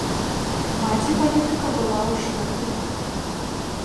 Маці палітыка была ў шоку.